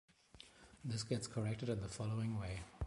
This gets corrected in the following way.